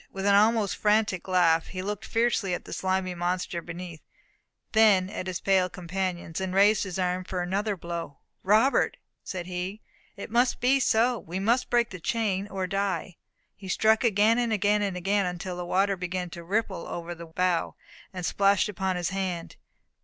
With an almost frantic laugh, he looked fiercely at the slimy monster beneath, then at his pale companions, and raised his arm for another blow. "Robert," said he, "it must be so. We must break the chain or die." He struck again, again, and again, until the water began to ripple over the bow, and splash upon his hand.